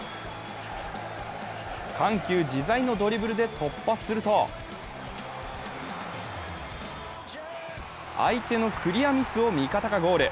緩急自在のドリブルで突破すると相手のクリアミスを味方がゴール。